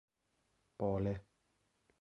pole